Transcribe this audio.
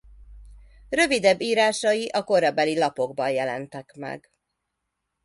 Rövidebb írásai a korabeli lapokban jelentek meg.